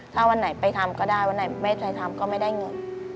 ถ้าวันไหนไปทำก็ได้วันไหนไม่เคยทำก็ไม่ได้เงิน